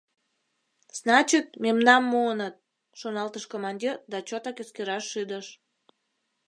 «Значит, мемнам муыныт!» — шоналтыш командир да чотак эскераш шӱдыш.